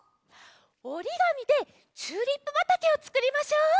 おりがみでチューリップばたけをつくりましょう！